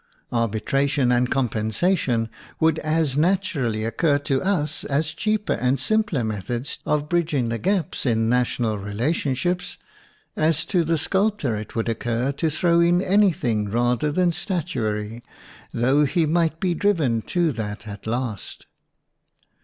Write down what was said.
Arbitra tion and compensation would as natu rally occur to us as cheaper and sim pler methods of bridging the gaps in national relationships, as to the sculp tor it would occur to throw in anything [5'] WOMAN AND WAR rather than statuary, though he might be driven to that at last!